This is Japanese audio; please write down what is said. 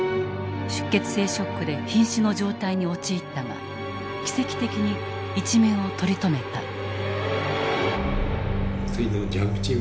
出血性ショックでひん死の状態に陥ったが奇跡的に一命を取り留めた。